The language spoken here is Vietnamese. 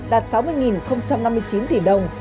đạt sáu mươi năm mươi chín tỷ đồng